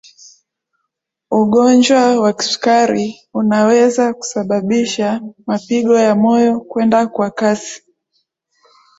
ugonjwa wa kisukari unaweza kusababisha mapigo ya moyo kwenda kwa kasi